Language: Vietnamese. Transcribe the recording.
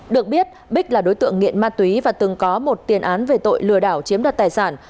được biết bích là đối tượng nghiện ma túy và từng có một tiền án về tội lừa đảo chiếm đoạt tài sản